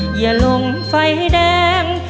อย่าลงไฟแดง